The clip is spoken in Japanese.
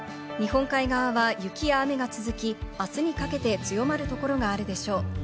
日本海側は雪や雨が続き、明日にかけて強まる所があるでしょう。